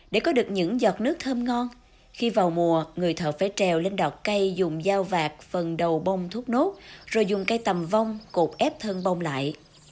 để có được những giọt nước thơm ngon khi vào mùa người thợ phải trèo lên đọt cây dùng dao vạt phần đầu bông thốt nốt rồi dùng cây tầm vong cột ép thân bông lại